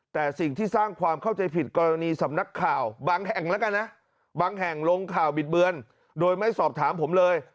แต่สิ่งที่สร้างความเข้าใจผิดกรณีสำนักข่าวบางแห่งแล้วกันนะบางแห่งลงข่าวบิดเบือนโดยไม่สอบถามผมเลย